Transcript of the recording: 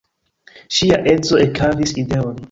Ŝia edzo ekhavis ideon.